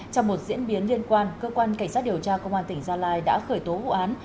trong một diễn biến liên quan cơ quan cảnh sát điều tra công an tỉnh gia lai đã khởi tố vụ án